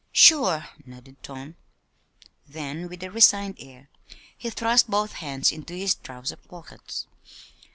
"Sure!" nodded Tom. Then, with a resigned air, he thrust both hands into his trousers pockets.